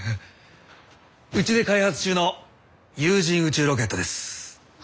うちで開発中の有人宇宙ロケットです。